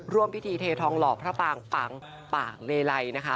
ร่วมพิธีเททองหล่อพระปางฝังปากเลไลนะคะ